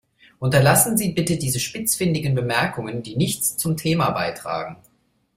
Unterlassen Sie bitte diese spitzfindigen Bemerkungen, die nichts zum Thema beitragen.